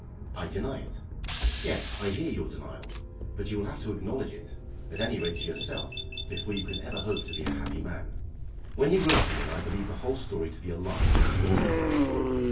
"I deny it." "Yes; I hear your denial. But you will have to acknowledge it, at any rate to yourself, before you can ever hope to be a happy man." "When he wrote to me, I believed the whole story to be a lie from first to last."